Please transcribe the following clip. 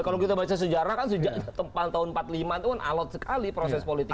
kalau kita baca sejarah kan sejak tahun seribu sembilan ratus empat puluh lima itu kan alot sekali proses politiknya